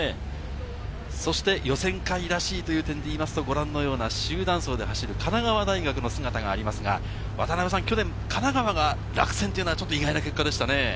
そして予選会らしいという点で言いますと、ご覧のような集団走で走る神奈川大学の姿がありますが、去年、神奈川が落選というのは意外な結果でしたよね。